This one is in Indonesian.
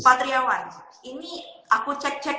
pak triawan ini aku cek cek